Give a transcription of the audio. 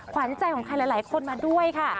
ขวัญใจของใครหลายคนมาด้วยค่ะ